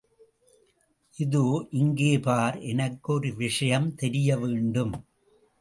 இதோ, இங்கே பார், எனக்கு ஒரு விஷயம் தெரியவேண்டும்.